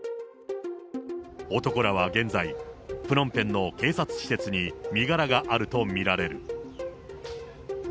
男らは現在、プノンペンの警察施設に身柄があると見られる。